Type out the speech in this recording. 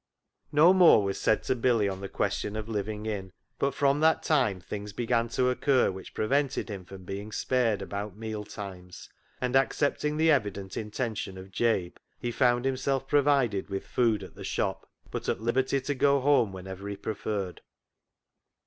No more was said to Billy on the question of living in, but from that time things began to occur which prevented him from being spared about meal times, and accepting the evident intention of Jabe, he found himself provided with food at the shop, but at liberty to go home whenever he preferred.